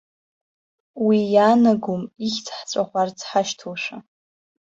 Уи иаанагом ихьӡ ҳҵәаӷәарц ҳашьҭоушәа.